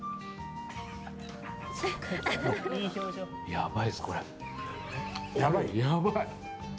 やばいっす、これ。